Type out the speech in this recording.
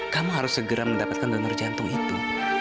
kamu harus segera mendapatkan donor jantung itu